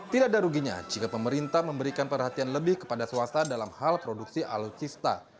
tidak ada ruginya jika pemerintah memberikan perhatian lebih kepada swasta dalam hal produksi alutsista